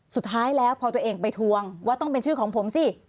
สุดท้ายแล้วพอตัวเองไปทวงว่าต้องเป็นชื่อของผมสิ